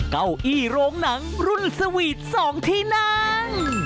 เก้าอี้โรงหนังรุ่นสวีท๒ที่นั่ง